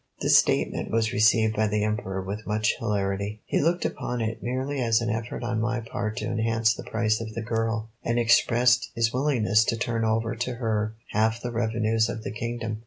This statement was received by the Emperor with much hilarity. He looked upon it merely as an effort on my part to enhance the price of the girl, and expressed his willingness to turn over to her half the revenues of the kingdom.